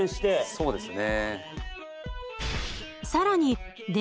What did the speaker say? そうですね。